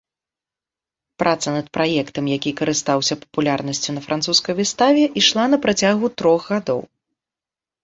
Праца над праектам, які карыстаўся папулярнасцю на французскай выставе, ішла на працягу трох гадоў.